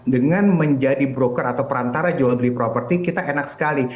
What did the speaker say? dengan menjadi broker atau perantara jual beli properti kita enak sekali